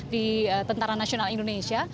di tentara nasional indonesia